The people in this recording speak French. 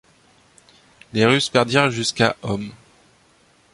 Les Russes perdirent jusqu'à hommes.